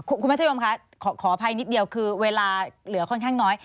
อ่าคุณพระเจมส์ค่ะขอขออภัยนิดเดียวคือเวลาเหลือค่อนข้างน้อย